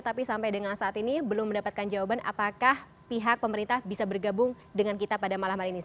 tapi sampai dengan saat ini belum mendapatkan jawaban apakah pihak pemerintah bisa bergabung dengan kita pada malam hari ini